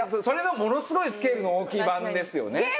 それのものすごいスケールの大きい版ですよね。